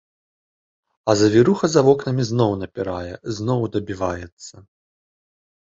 А завіруха за вокнамі зноў напірае, зноў дабіваецца.